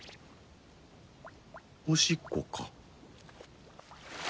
おしっこか。